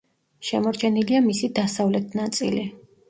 შემორჩენილია მისი დასავლეთ ნაწილი.